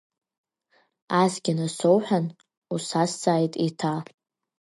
Асгьы насоуҳәан, усазҵааит еиҭа…